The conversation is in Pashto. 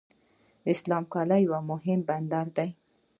اسلام قلعه یو مهم بندر دی.